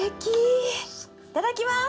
いただきます！